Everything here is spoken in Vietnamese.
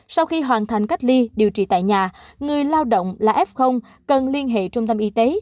sau khi hoàn thành cách ly điều trị tại nhà người lao động là f cần liên hệ trung tâm y tế